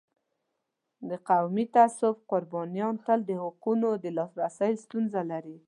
د قومي تعصب قربانیان تل د حقونو د نه لاسرسی ستونزه لري.